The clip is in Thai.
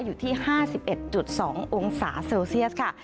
อยู่ที่๕๑๒องศาเซลเซียสค่ะ